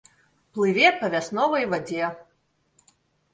Плыве па вясновай вадзе.